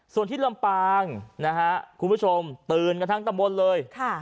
ส่วนที่ลำปางนะฮะคุณผู้ชมตื่นกันทั้งตำบลเลย